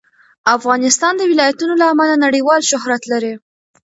افغانستان د ولایتونو له امله نړیوال شهرت لري.